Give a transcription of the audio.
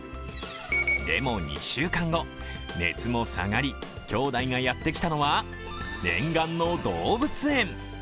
でも２週間後、熱も下がり、兄妹がやってきたのは念願の動物園。